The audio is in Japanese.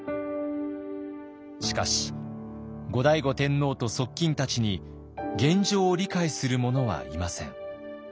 しかし後醍醐天皇と側近たちに現状を理解する者はいません。